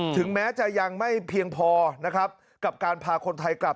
ถึงแม้จะยังไม่เพียงพอนะครับกับการพาคนไทยกลับ